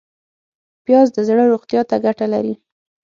پیاز د زړه روغتیا ته ګټه لري